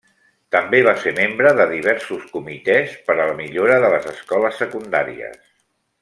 També va ser membre de diversos comitès per a la millora de les escoles secundàries.